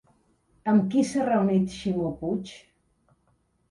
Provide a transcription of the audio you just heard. Amb qui s'ha reunit Ximo Puig?